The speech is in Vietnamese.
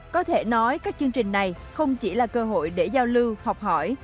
có thể nói các chương trình này không chỉ là cơ hội để giao lưu học hỏi